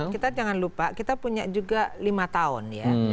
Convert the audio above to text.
kita jangan lupa kita punya juga lima tahun ya